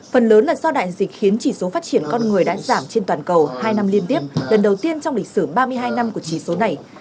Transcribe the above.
phần lớn là do đại dịch khiến chỉ số phát triển con người đã giảm trên toàn cầu hai năm liên tiếp lần đầu tiên trong lịch sử ba mươi hai năm của chỉ số này